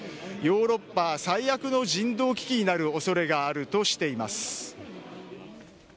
ヨーロッパ最悪の人道危機になるおそれがあるとしています。